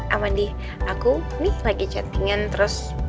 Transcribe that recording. aman di aku nih lagi chattingan terus